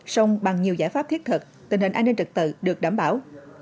sông bằng nhiều giải pháp thiết thực tình hình an ninh trật tự được đảm bảo